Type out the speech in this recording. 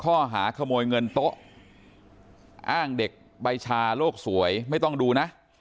ข้อหาขโมยเงินโต๊ะอ้างเด็กใบชาโลกสวยไม่ต้องดูนะ